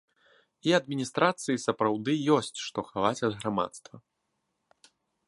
І адміністрацыі сапраўды ёсць што хаваць ад грамадства.